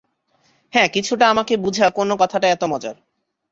হ্যাঁ, কিছুটা, আমাকে বুঝা কোন কথাটা এত মজার?